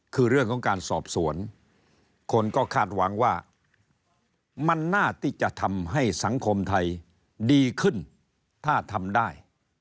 คือเรื่องของการสอบสวนคนก็คาดหวังว่ามันน่าที่จะทำให้สังคมไทยดีขึ้นถ้าทำได้